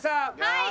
はい。